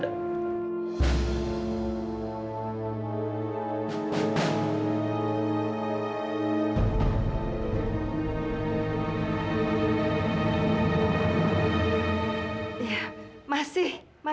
iya masih masih kang